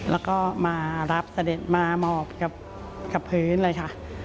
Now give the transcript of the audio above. แล้วก็มารับเสด็จมาหมอบกับพื้นเลยค่ะ